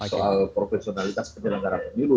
soal profesionalitas penyelenggara pemilu